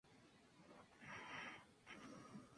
Rock y As Enemigo.